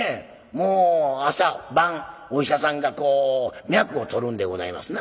もう朝晩お医者さんがこう脈を取るんでございますな。